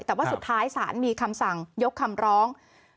แต่ว่าสุดท้ายศาลมีคำสั่งยกคำร้อง